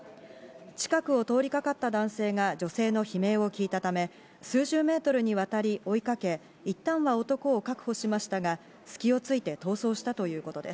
近くを通りかかった男性が女性の悲鳴を聞いたため、数十メートルにわたり追いかけ、いったんは男を確保しましたが、隙をついて逃走したということで